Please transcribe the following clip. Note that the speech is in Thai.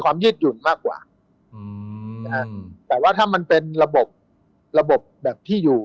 ความยืดหยุ่นมากกว่าแต่ว่าถ้ามันเป็นระบบระบบแบบที่อยู่